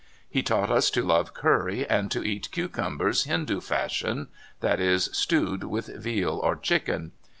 He taught us to love curry and to eat cucinnbers Hindoo fashion — that is, stewed with veal or chicken.